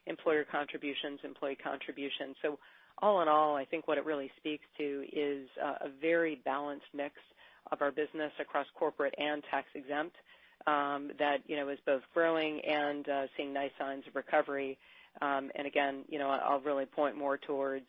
employer contributions, employee contributions. All in all, I think what it really speaks to is a very balanced mix of our business across corporate and tax-exempt that is both growing and seeing nice signs of recovery. Again, I'll really point more towards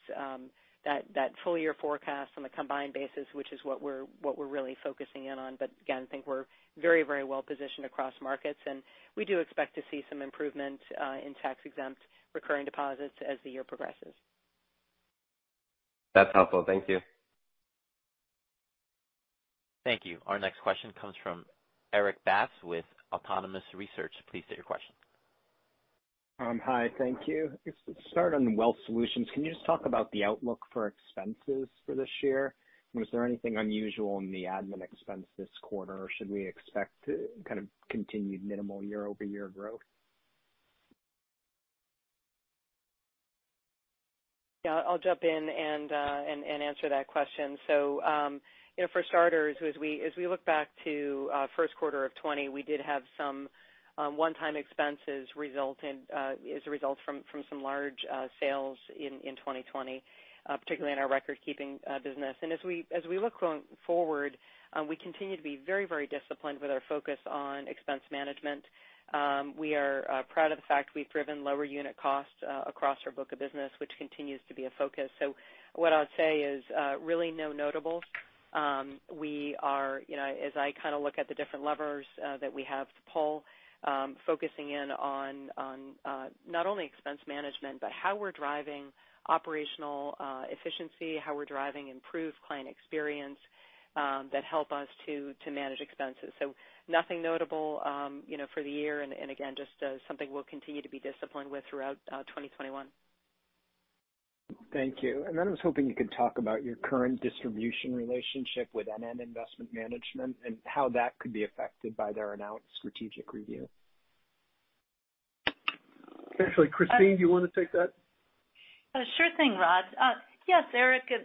that full year forecast on a combined basis, which is what we're really focusing in on. Again, think we're very well positioned across markets, and we do expect to see some improvement in tax-exempt recurring deposits as the year progresses. That's helpful. Thank you. Thank you. Our next question comes from Erik Bass with Autonomous Research. Please state your question. Hi. Thank you. To start on Wealth Solutions, can you just talk about the outlook for expenses for this year? Was there anything unusual in the admin expense this quarter, or should we expect kind of continued minimal year-over-year growth? Yeah, I'll jump in and answer that question. For starters, as we look back to first quarter of 2020, we did have some one-time expenses as a result from some large sales in 2020, particularly in our record keeping business. As we look going forward, we continue to be very disciplined with our focus on expense management. We are proud of the fact we've driven lower unit costs across our book of business, which continues to be a focus. What I would say is really no notables. As I look at the different levers that we have to pull, focusing in on not only expense management, but how we're driving operational efficiency, how we're driving improved client experience that help us to manage expenses. Nothing notable for the year, and again, just something we'll continue to be disciplined with throughout 2021. Thank you. I was hoping you could talk about your current distribution relationship with NN Investment Partners and how that could be affected by their announced strategic review. Actually, Christine, do you want to take that? Sure thing, Rod. Yes, Erik, as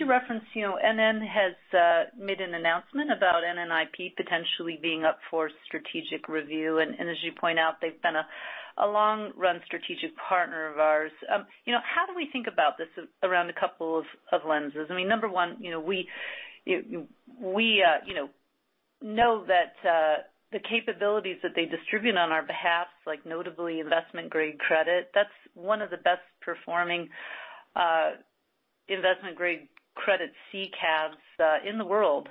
you referenced, NN has made an announcement about NNIP potentially being up for strategic review. As you point out, they've been a long run strategic partner of ours. How do we think about this around a couple of lenses? I mean, number one, we know that the capabilities that they distribute on our behalf, like notably investment grade credit, that's one of the best performing investment grade credit CCAR in the world.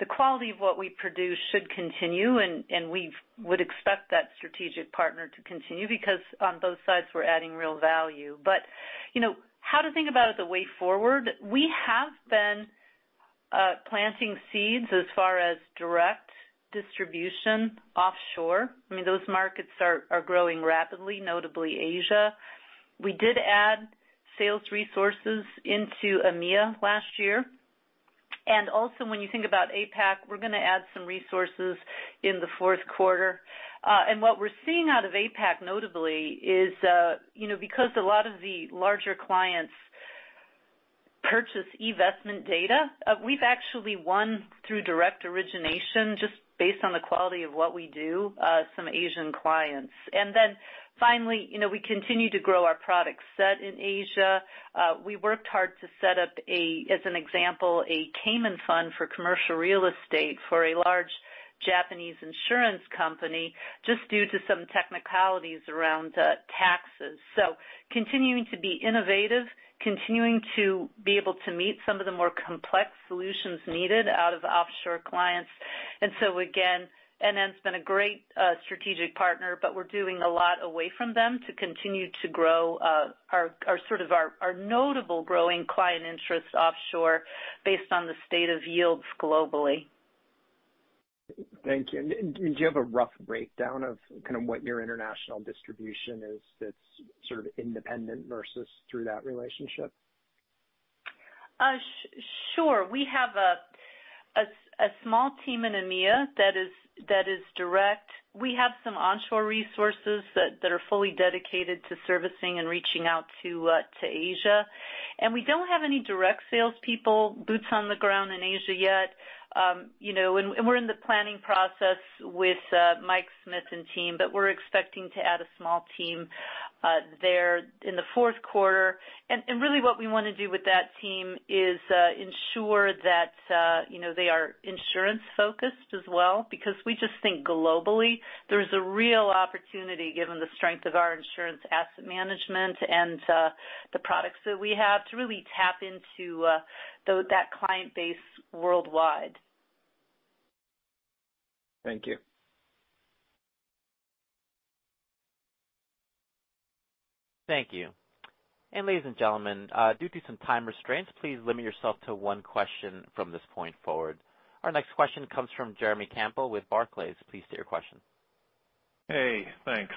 The quality of what we produce should continue, and we would expect that strategic partner to continue because on both sides, we're adding real value. How to think about the way forward, we have been planting seeds as far as direct distribution offshore. I mean, those markets are growing rapidly, notably Asia. We did add sales resources into EMEA last year. When you think about APAC, we're going to add some resources in the fourth quarter. What we're seeing out of APAC notably is because a lot of the larger clients purchase eVestment data, we've actually won through direct origination, just based on the quality of what we do, some Asian clients. Finally, we continue to grow our product set in Asia. We worked hard to set up, as an example, a Cayman fund for commercial real estate for a large Japanese insurance company just due to some technicalities around taxes. Continuing to be innovative, continuing to be able to meet some of the more complex solutions needed out of offshore clients. Again, NN's been a great strategic partner, we're doing a lot away from them to continue to grow our notable growing client interests offshore based on the state of yields globally. Thank you. Do you have a rough breakdown of kind of what your international distribution is that's sort of independent versus through that relationship? Sure. We have a small team in EMEA that is direct. We have some onshore resources that are fully dedicated to servicing and reaching out to Asia. We don't have any direct salespeople boots on the ground in Asia yet. We're in the planning process with Michael Smith and team, but we're expecting to add a small team there in the fourth quarter. Really what we want to do with that team is ensure that they are insurance-focused as well, because we just think globally there's a real opportunity, given the strength of our insurance asset management and the products that we have to really tap into that client base worldwide. Thank you. Thank you. Ladies and gentlemen, due to some time restraints, please limit yourself to one question from this point forward. Our next question comes from Jeremy Campbell with Barclays. Please state your question. Hey, thanks.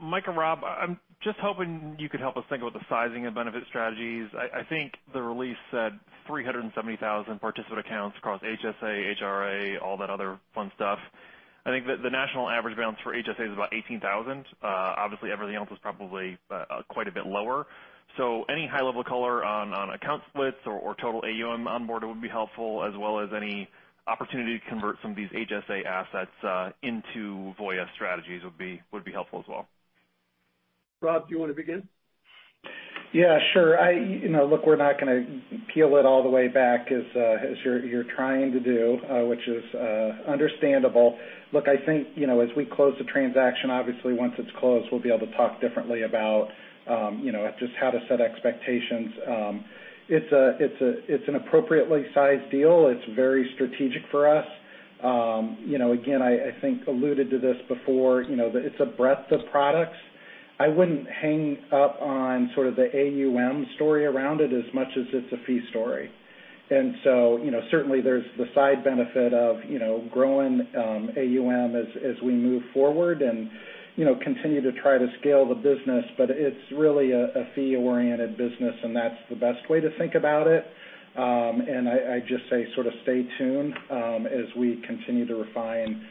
Mike and Rob, I'm just hoping you could help us think about the sizing of Benefit Strategies. I think the release said 370,000 participant accounts across HSA, HRA, all that other fun stuff. I think that the national average balance for HSA is about $18,000. Obviously, everything else is probably quite a bit lower. Any high-level color on account splits or total AUM onboard would be helpful, as well as any opportunity to convert some of these HSA assets into Voya strategies would be helpful as well. Rob, do you want to begin? Yeah, sure. Look, we're not going to peel it all the way back as you're trying to do, which is understandable. Look, I think, as we close the transaction, obviously once it's closed, we'll be able to talk differently about just how to set expectations. It's an appropriately sized deal. It's very strategic for us. Again, I think alluded to this before, it's a breadth of products. I wouldn't hang up on sort of the AUM story around it as much as it's a fee story. Certainly there's the side benefit of growing AUM as we move forward and continue to try to scale the business, but it's really a fee-oriented business, and that's the best way to think about it. I just say sort of stay tuned as we continue to refine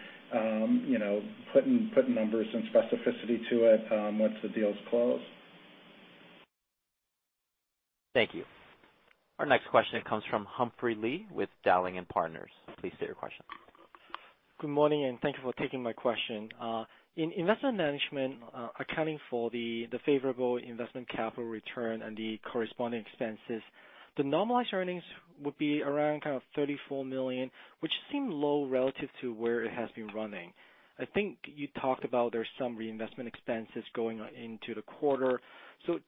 putting numbers and specificity to it once the deal is closed. Thank you. Our next question comes from Humphrey Lee with Dowling & Partners. Please state your question. Good morning. Thank you for taking my question. In Investment Management, accounting for the favorable investment capital return and the corresponding expenses, the normalized earnings would be around kind of $34 million, which seem low relative to where it has been running. I think you talked about there's some reinvestment expenses going into the quarter.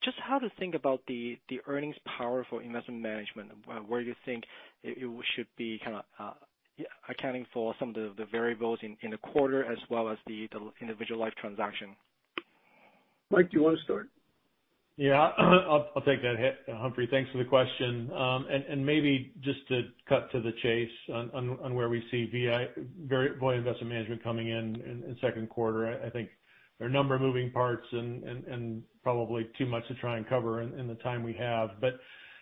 Just how to think about the earnings power for Investment Management, where you think it should be kind of accounting for some of the variables in the quarter as well as the individual life transaction. Mike, do you want to start? Yeah, I'll take that, Humphrey. Thanks for the question. Maybe just to cut to the chase on where we see Voya Investment Management coming in the second quarter. I think there are a number of moving parts and probably too much to try and cover in the time we have.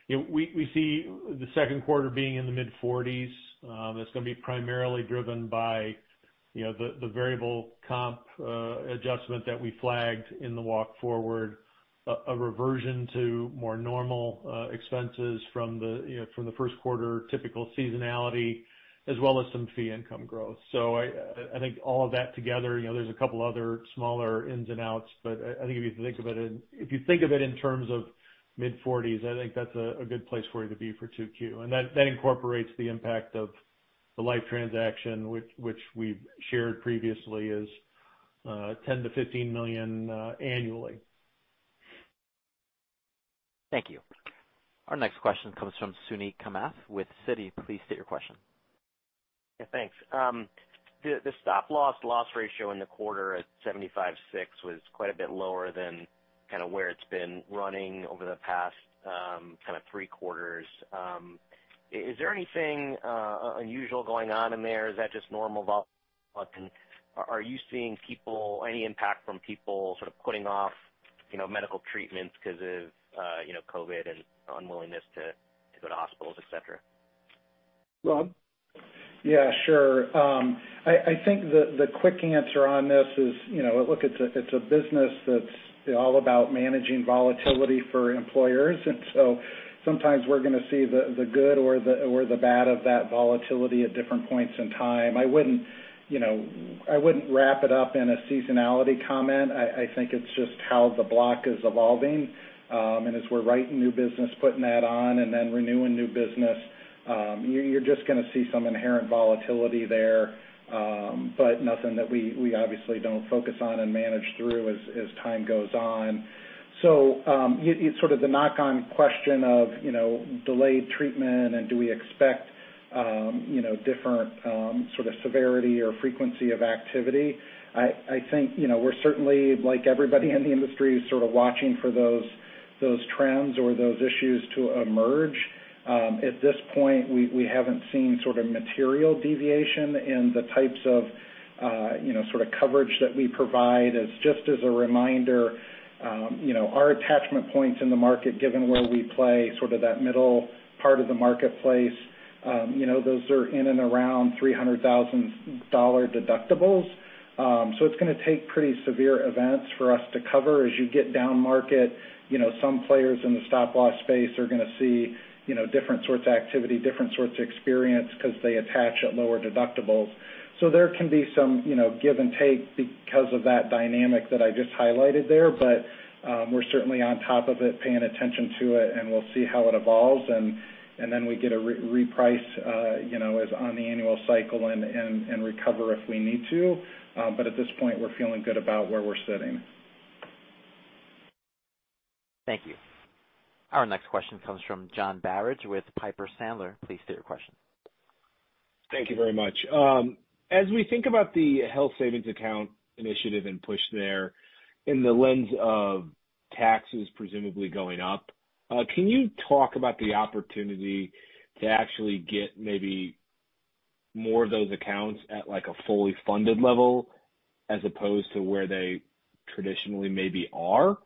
We see the second quarter being in the mid-forties. It's going to be primarily driven by the variable comp adjustment that we flagged in the walk forward, a reversion to more normal expenses from the first quarter, typical seasonality, as well as some fee income growth. I think all of that together, there's a couple of other smaller ins and outs, but I think if you think of it in terms of mid-forties, I think that's a good place for you to be for 2Q. That incorporates the impact of the life transaction, which we've shared previously is $10 million-$15 million annually. Thank you. Our next question comes from Suneet Kamath with Citi. Please state your question. Yeah, thanks. The stop loss ratio in the quarter at 75.6% was quite a bit lower than kind of where it's been running over the past kind of three quarters. Is there anything unusual going on in there? Is that just normal? Are you seeing any impact from people sort of putting off medical treatments because of COVID and unwillingness to go to hospitals, et cetera? Rob? Yeah, sure. I think the quick answer on this is, look, it's a business that's all about managing volatility for employers, sometimes we're going to see the good or the bad of that volatility at different points in time. I wouldn't wrap it up in a seasonality comment. I think it's just how the block is evolving. As we're writing new business, putting that on, renewing new business, you're just going to see some inherent volatility there. Nothing that we obviously don't focus on and manage through as time goes on. Sort of the knock-on question of delayed treatment and do we expect different sort of severity or frequency of activity? I think we're certainly, like everybody in the industry, sort of watching for those trends or those issues to emerge. At this point, we haven't seen material deviation in the types of coverage that we provide. Just as a reminder, our attachment points in the market, given where we play, that middle part of the marketplace, those are in and around $300,000 deductibles. It's going to take pretty severe events for us to cover. As you get down market, some players in the stop loss space are going to see different sorts of activity, different sorts of experience, because they attach at lower deductibles. There can be some give and take because of that dynamic that I just highlighted there. We're certainly on top of it, paying attention to it, and we'll see how it evolves, we get a reprice as on the annual cycle and recover if we need to. At this point, we're feeling good about where we're sitting. Thank you. Our next question comes from John Barnidge with Piper Sandler. Please state your question. Thank you very much. As we think about the health savings account initiative and push there in the lens of taxes presumably going up, can you talk about the opportunity to actually get maybe more of those accounts at a fully funded level as opposed to where they traditionally maybe are,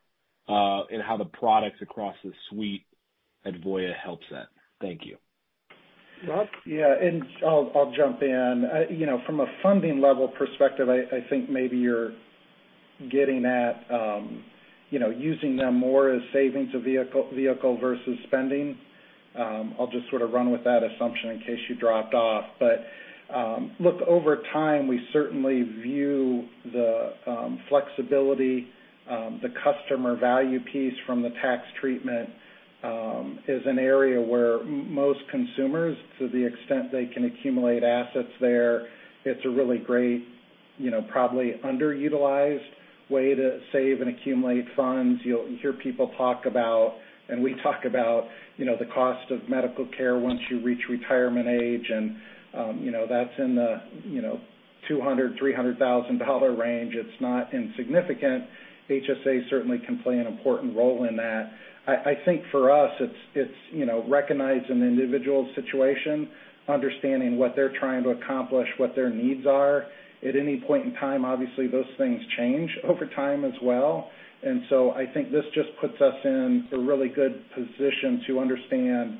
and how the products across the suite at Voya helps that? Thank you. Rod? Yeah, I'll jump in. From a funding level perspective, I think maybe you're getting at using them more as savings vehicle versus spending. I'll just run with that assumption in case you dropped off. Look, over time, we certainly view the flexibility, the customer value piece from the tax treatment, is an area where most consumers, to the extent they can accumulate assets there, it's a really great, probably underutilized way to save and accumulate funds. You'll hear people talk about, and we talk about, the cost of medical care once you reach retirement age and that's in the $200,000, $300,000 range. It's not insignificant. HSA certainly can play an important role in that. I think for us, it's recognizing an individual situation, understanding what they're trying to accomplish, what their needs are at any point in time. Obviously, those things change over time as well. I think this just puts us in a really good position to understand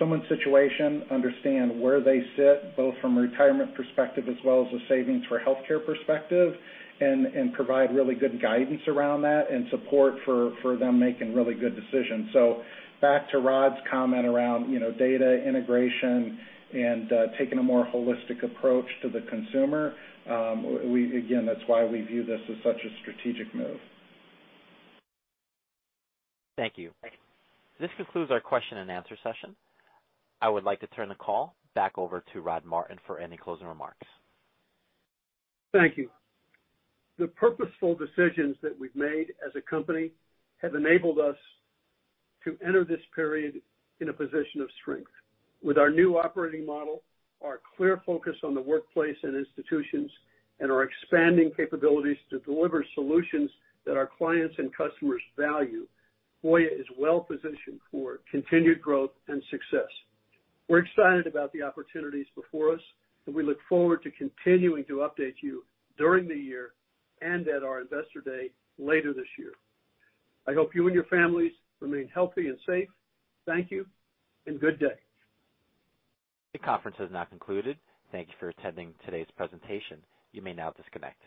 someone's situation, understand where they sit, both from a retirement perspective as well as a savings for healthcare perspective, and provide really good guidance around that and support for them making really good decisions. Back to Rod's comment around data integration and taking a more holistic approach to the consumer, again, that's why we view this as such a strategic move. Thank you. This concludes our question and answer session. I would like to turn the call back over to Rod Martin for any closing remarks. Thank you. The purposeful decisions that we've made as a company have enabled us to enter this period in a position of strength. With our new operating model, our clear focus on the workplace and institutions, and our expanding capabilities to deliver solutions that our clients and customers value, Voya is well-positioned for continued growth and success. We're excited about the opportunities before us, and we look forward to continuing to update you during the year and at our Investor Day later this year. I hope you and your families remain healthy and safe. Thank you, and good day. The conference has now concluded. Thank you for attending today's presentation. You may now disconnect.